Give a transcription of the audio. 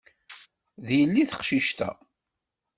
D yelli teqcict-a.